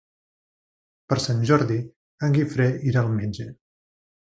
Per Sant Jordi en Guifré irà al metge.